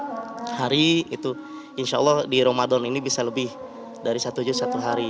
satu juz satu hari itu insya allah di ramadan ini bisa lebih dari satu juz satu hari